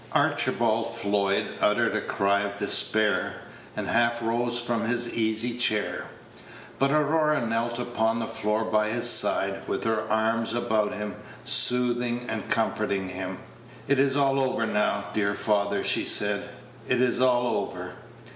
Archibald Floyd uttered a cry of despair, and half rose from his easy chair; but Aurora knelt upon the ground by his side, with her arms about him, soothing and comforting him. "It is all over now, dear father," she said; "it is all over.